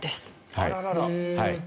あららら。